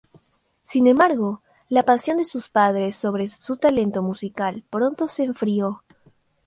Sin embargo, la pasión de sus padres sobre su talento musical pronto se enfrió.